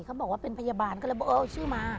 เขาบอกว่าเป็นพยาบาลก็เลยบอกเออชื่อมา